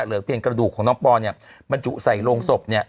เหลือเพียงกระดูกของน้องปอเนี่ยบรรจุใส่โรงศพเนี่ย